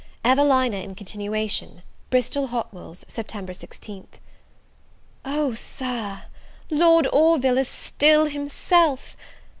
EVELINA IN CONTINUATION. Bristol Hotwells, Sept. 16th. OH, Sir, Lord Orville is still himself!